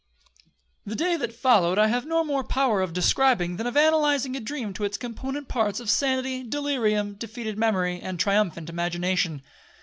'The day that followed I have no more power of describing, than of analysing a dream to its component parts of sanity, delirium, defeated memory, and triumphant imagination.